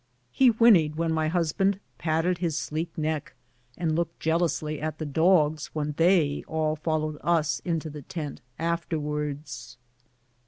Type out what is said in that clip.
He whinnied when my husband patted his sleek neck, and looked jealously at the dogs when they all followed us into the tent afterwards.